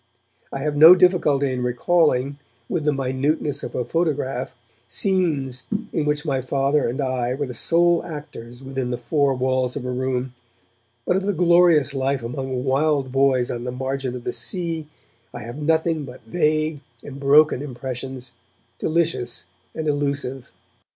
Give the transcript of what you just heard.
I have no difficulty in recalling, with the minuteness of a photograph, scenes in which my Father and I were the sole actors within the four walls of a room, but of the glorious life among wild boys on the margin of the sea I have nothing but vague and broken impressions, delicious and illusive.